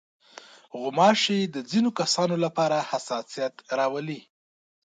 غوماشې د ځينو کسانو لپاره حساسیت راولي.